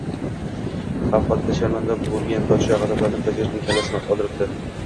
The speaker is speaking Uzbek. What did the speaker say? Xalq oldida sharmanda bo‘lgan podsho g‘azablanib, vazirining kallasini oldiribdi